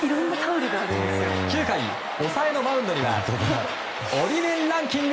９回、抑えのマウンドにはオリメンランキング